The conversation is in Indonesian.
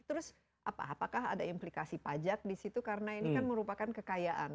terus apakah ada implikasi pajak di situ karena ini kan merupakan kekayaan